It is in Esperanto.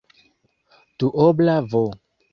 duobla v